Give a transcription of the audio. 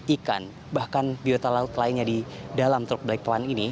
ikan bahkan biota laut lainnya di dalam teluk balikpapan ini